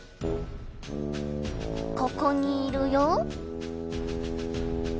ここにいるよ